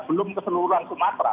belum keseluruhan sumatera